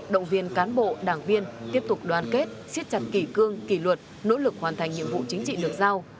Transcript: động viên cán bộ đảng viên tiếp tục đoàn kết siết chặt kỷ cương kỷ luật nỗ lực hoàn thành nhiệm vụ chính trị được giao